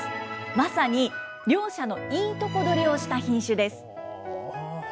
まさに両者のいいとこどりをした品種です。